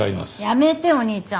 やめてお兄ちゃん。